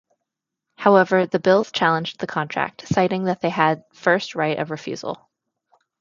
However, the Bills challenged the contract, citing that they had first right of refusal.